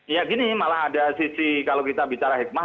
ya gini malah ada sisi kalau kita bicara hikmah